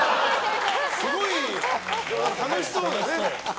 すごい楽しそうだね。